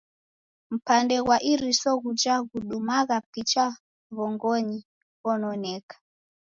Mpande ghwa iriso ghuja ghudumagha picha w'ongonyi ghononeka.